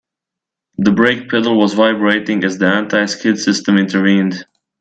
The brake pedal was vibrating as the anti-skid system intervened.